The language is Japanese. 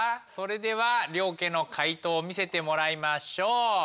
それでは両家の解答見せてもらいましょう。